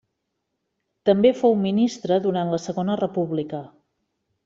També fou ministre durant la Segona República.